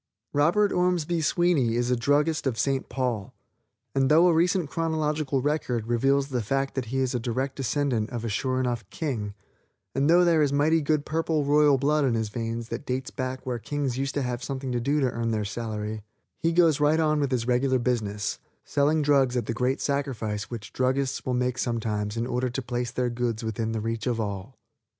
Robert Ormsby Sweeney is a druggist of St. Paul; and though a recent chronological record reveals the fact that he is a direct descendant of a sure enough king, and though there is mighty good purple, royal blood in his veins that dates back where kings used to have something to do to earn their salary, he goes right on with his regular business, selling drugs at the great sacrifice which druggists will make sometimes in order to place their goods within the reach of all.